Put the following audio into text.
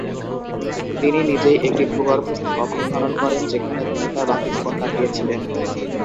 তিনি নিজেই একটি ভূগর্ভস্থ কক্ষ খনন করেন যেখানে তিনি তার বাকি জীবন কাটিয়েছিলেন।